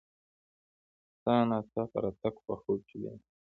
ستا ناڅاپه راتګ په خوب کې وینم.